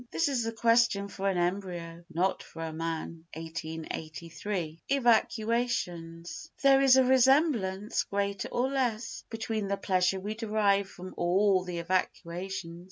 This is a question for an embryo, not for a man. [1883.] Evacuations There is a resemblance, greater or less, between the pleasure we derive from all the evacuations.